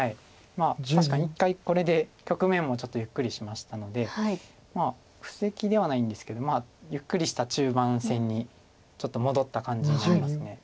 確かに一回これで局面もちょっとゆっくりしましたので布石ではないんですけどゆっくりした中盤戦にちょっと戻った感じになります。